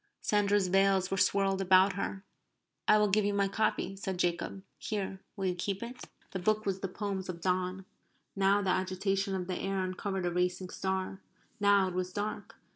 Sandra's veils were swirled about her. "I will give you my copy," said Jacob. "Here. Will you keep it?" (The book was the poems of Donne.) Now the agitation of the air uncovered a racing star. Now it was dark.